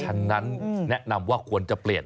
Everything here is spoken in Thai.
ฉะนั้นแนะนำว่าควรจะเปลี่ยน